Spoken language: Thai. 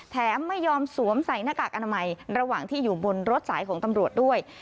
แถมไม่ยอมสวมใส่หน้ากากอนามัยระหว่างที่อยู่บนรถสายของตำรวจด้วย